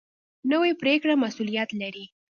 نوې پرېکړه مسؤلیت لري